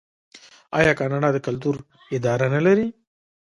آیا کاناډا د کلتور اداره نلري؟